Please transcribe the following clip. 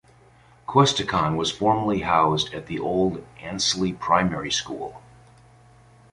Questacon was formerly housed at the old Ainslie Primary School.